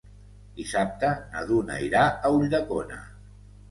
Dissabte na Duna irà a Ulldecona.